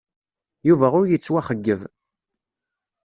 Yuba ur yettwaxeyyeb.